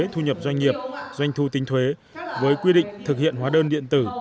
thu nhập doanh nghiệp doanh thu tính thuế với quy định thực hiện hóa đơn điện tử